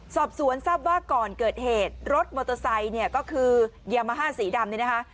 สอบสวนทราบว่าก่อนเกิดเหตุรถมอโตซัยก็คือยามาฮ่าสีดำ